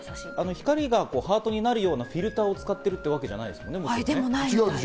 光がハートになるようなフィルターを使ってるってわけじゃないんですもんね？